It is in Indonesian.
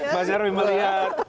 mas narwi melihat